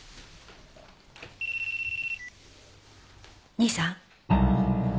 兄さん？